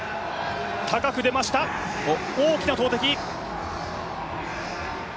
高く出ました、大きな投てき。